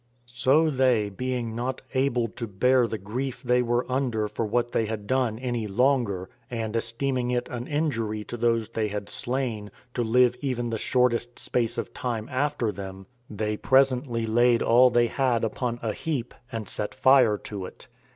So they being not able to bear the grief they were under for what they had done any longer, and esteeming it an injury to those they had slain, to live even the shortest space of time after them, they presently laid all they had upon a heap, and set fire to it.